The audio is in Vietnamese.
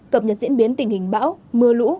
cập nhật diễn biến tình hình bão mưa lũ